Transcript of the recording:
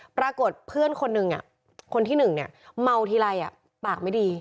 ปรากฏเพื่อนคนหนึ่งคนที่หนึ่งเนี่ยเมาทีไรปากไม่ดี